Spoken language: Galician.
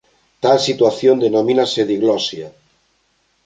Tal situación denomínase diglosia.